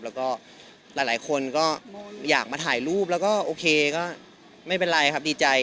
แล้วก็หลายคนก็อยากมาถ่ายรูปแล้วก็โอเคก็ไม่เป็นไรครับดีใจ